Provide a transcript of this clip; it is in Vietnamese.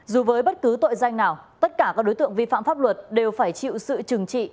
dù với bất cứ tội danh nào tất cả các đối tượng vi phạm pháp luật đều phải chịu sự trừng trị